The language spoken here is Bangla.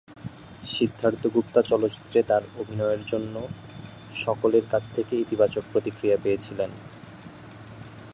সিদ্ধার্থ গুপ্তা চলচ্চিত্রে তার অভিনয়ের জন্য সকলের কাছ থেকে ইতিবাচক প্রতিক্রিয়া পেয়েছিলেন।